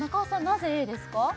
なぜＡですか？